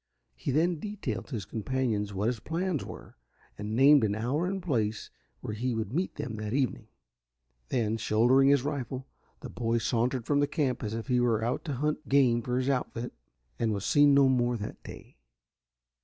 He then detailed to his companions what his plans were, and named an hour and place where he would meet them that evening, then, shouldering his rifle, the boy sauntered from the camp as if he were out to hunt game for his outfit, and was seen no more that day.